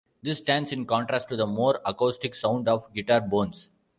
This stands in contrast to the more acoustic sound of "Guitar Bones".